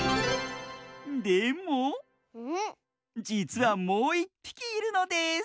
でもじつはもういっぴきいるのです！